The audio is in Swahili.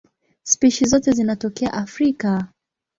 Spishi zote zinatokea Afrika.